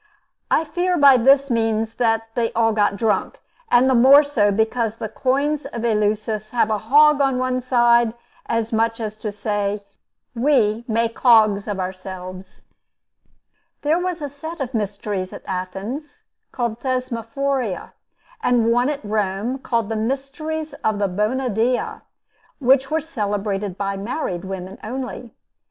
I fear by this means that they all got drunk; and the more so, because the coins of Eleusis have a hog on one side, as much as to say, We make hogs of ourselves. There was a set of mysteries at Athens, called Thesmophoria, and one at Rome, called the mysteries of the Bona Dea, which were celebrated by married women only.